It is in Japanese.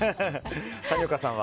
谷岡さんは？